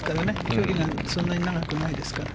距離がそんなに長くないですから。